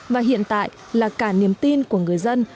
và hiện tại là cả niềm tin của người dân